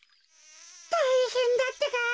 たいへんだってか。